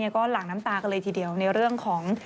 ก็หลั่งน้ำตากันเลยทีเดียวในเรื่องของ